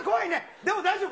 でも大丈夫。